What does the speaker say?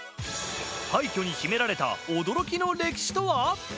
廃虚に秘められた驚きの歴史とは？